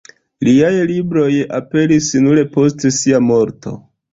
Liaj libroj aperis nur post sia morto.